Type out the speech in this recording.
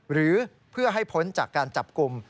หรือเพื่อให้พ้นจากการจับกลุ่ม